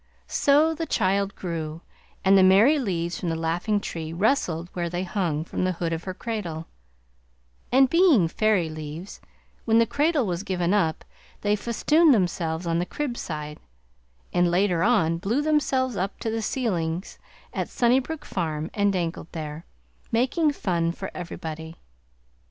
So the child grew, and the Merry Leaves from the Laughing Tree rustled where they hung from the hood of her cradle, and, being fairy leaves, when the cradle was given up they festooned themselves on the cribside, and later on blew themselves up to the ceilings at Sunnybook Farm and dangled there, making fun for everybody.